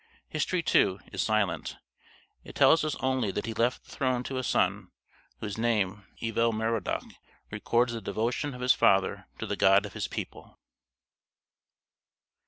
History, too, is silent. It tells us only that he left the throne to a son, whose name, Evil Merodach, records the devotion of his father to the god of his people.